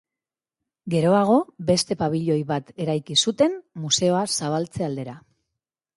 Geroago beste pabiloi bat eraiki zuten museoa zabaltze aldera.